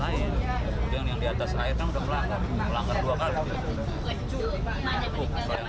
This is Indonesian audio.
kemudian yang di atas air kan udah melanggar melanggar dua kali